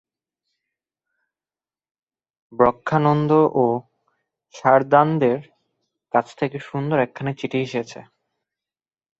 ব্রহ্মানন্দ ও সারদানন্দের কাছ থেকে সুন্দর একখানি চিঠি এসেছে।